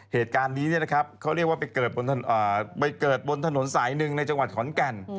เหตุการณ์นี้เขาเรียกว่าไปเกิดบนถนนสายหนึ่งในจังหวัดขอนแก่น